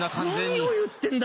何を言ってんだ